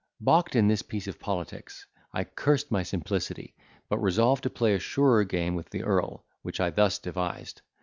Balked in this piece of politics, I cursed my simplicity; but resolved to play a surer game with the earl, which I thus devised.